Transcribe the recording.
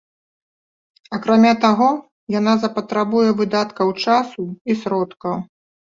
Акрамя таго, яна запатрабуе выдаткаў часу і сродкаў.